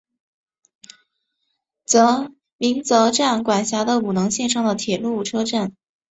鸣泽站管辖的五能线上的铁路车站。